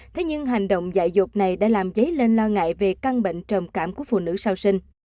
thế nhưng hành động dạy dột này đã làm dấy lên lo ngại về căn bệnh trầm cảm của phụ nữ sau sinh